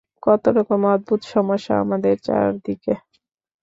কত রকম অদ্ভুত সমস্যা আমাদের চারদিকে।